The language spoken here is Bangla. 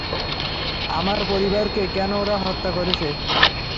আমার পরিবারকে কেন ওরা হত্যা করেছে?